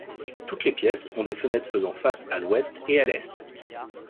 Toutes les pièces ont des fenêtres faisant face à l'ouest et à l'est.